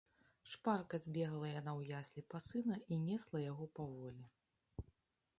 Шпарка збегала яна ў яслі па сына і несла яго паволі.